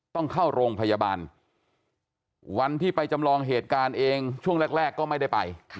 ต้องเข้าโรงพยาบาลวันที่ไปจำลองเหตุการณ์เองช่วงแรกก็ไม่ได้ไป